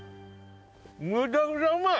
むちゃくちゃうまい！